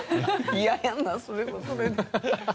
嫌やなそれはそれで。